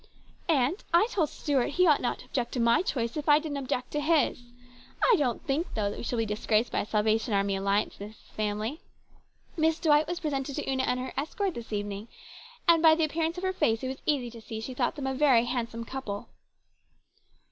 " Aunt, I told Stuart he ought not to object to my choice if I didn't object to his. I don't think, though, that we shall be disgraced by a Salvation Army alliance in the family. Miss D wight was presented to Una and her escort this evening, DISAPPOINTMENT. 221 and by the appearance of her face it was easy to see she thought them a very handsome couple."